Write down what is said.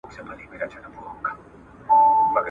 زمرۍ